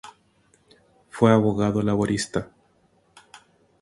Fue abogado laboralista.